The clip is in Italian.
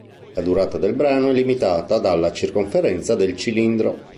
La durata del brano è limitata dalla circonferenza del cilindro.